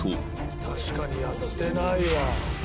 「確かにやってないわ」